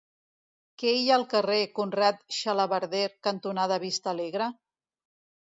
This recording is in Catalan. Què hi ha al carrer Conrad Xalabarder cantonada Vistalegre?